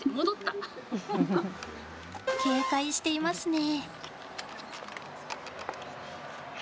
警戒していますね。